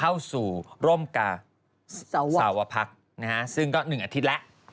เข้าสู่ร่มกาสาวพักนะฮะซึ่งก็๑อาทิตย์แล้ว